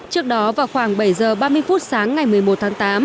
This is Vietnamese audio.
trước đó vào khoảng bảy h ba mươi phút sáng ngày một mươi một tháng tám